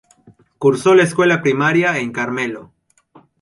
Cursó la escuela primaria en Carmelo.